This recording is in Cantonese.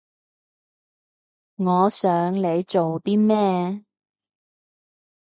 我想你做啲咩